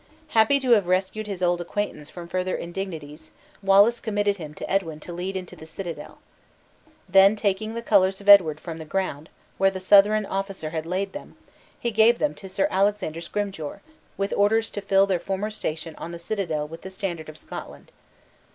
Happy to have rescued his old acquaintance from further indignities, Wallace committed him to Edwin to lead into the citadel. Then taking the colors of Edward from the ground (where the Southron officer had laid them), he gave them to Sir Alexander Scrymgeour, with orders to fill their former station on the citadel with the standard of Scotland.